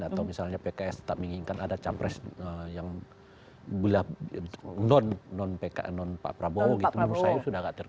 atau misalnya pks tetap menginginkan ada capres yang non pak prabowo gitu menurut saya sudah agak terlalu